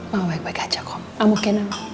mau baik baik aja kok